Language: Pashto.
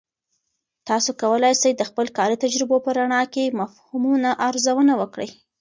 تاسې کولای سئ د خپل کاري تجربو په رڼا کې مفهومونه ارزونه وکړئ.